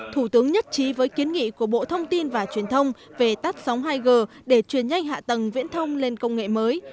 thủ tướng nhất trí với kiến nghị của bộ thông tin và truyền thông về tắt sóng hai g để truyền nhanh hạ tầng viễn thông lên công nghệ mới